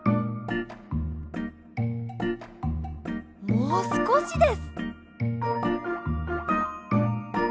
もうすこしです。